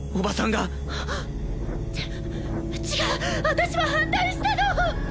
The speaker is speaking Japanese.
がち違う私は反対したの！